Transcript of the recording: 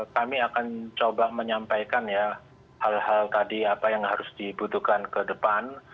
kami akan coba menyampaikan ya hal hal tadi apa yang harus dibutuhkan ke depan